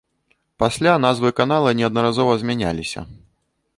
Пасля назвы канала неаднаразова змяняліся.